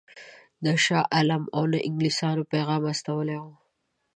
نه شاه عالم او نه انګلیسیانو پیغام استولی وو.